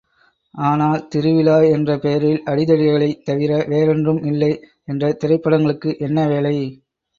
ஆனால், திருவிழா என்ற பெயரில் அடிதடி களைத் தவிர வேறென்றும் இல்லை... என்ற திரைப்படங்களுக்கு என்ன வேலை!